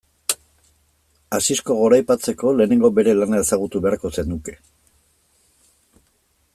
Asisko goraipatzeko lehenengo bere lana ezagutu beharko zenuke.